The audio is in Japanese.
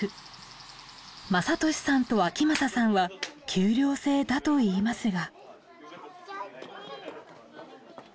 匡俊さんと章匡さんは給料制だといいますが。